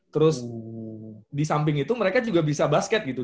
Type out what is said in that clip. terus disamping itu mereka juga bisa basket gitu